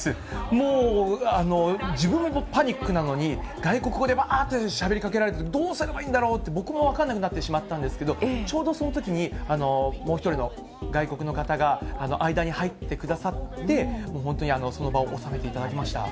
もう自分もパニックなのに、外国語でわーっとしゃべりかけられて、どうすればいいんだろうって、僕も分からなくなってしまったんですけど、ちょうどそのときに、もう１人の外国の方が間に入ってくださって、本当に、その場を収めていただきました。